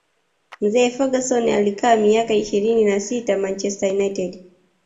mzee Ferguson alikaa miaka ishirini na sita manchester united